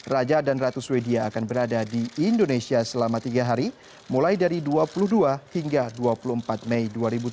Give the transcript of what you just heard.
raja dan ratu swedia akan berada di indonesia selama tiga hari mulai dari dua puluh dua hingga dua puluh empat mei dua ribu tujuh belas